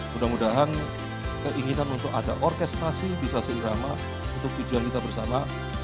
mudah mudahan keinginan untuk ada orkestrasi bisa seirama untuk tujuan kita bersama